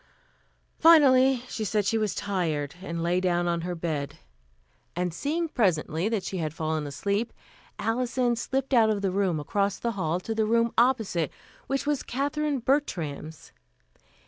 Finally she said she was tired and lay down on her bed; and seeing presently that she had fallen asleep, Alison slipped out of the room across the hall to the room opposite, which was Katherine Bertram's.